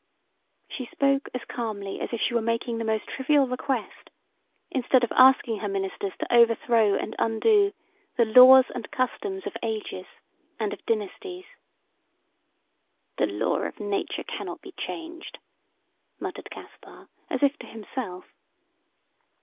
She spoke as calmly as if she were making the most trivial request instead of asking her ministers to overthrow and undo the laws and customs of ages and of dynasties. "The law of nature cannot be changed," muttered Caspar, as if to himself.